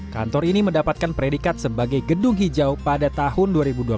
kantor ini mendapatkan predikat sebagai gedung hijau pada tahun dua ribu dua puluh